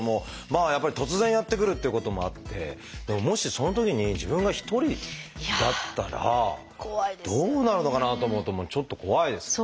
やっぱり突然やって来るっていうこともあってでももしそのときに自分が一人だったらどうなるのかなと思うとちょっと怖いですよね。